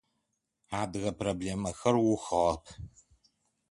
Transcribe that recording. Адыгэ проблемэхэр ухыгъэп.